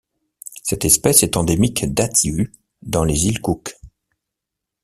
Cette espèce est endémique d'Atiu dans les îles Cook.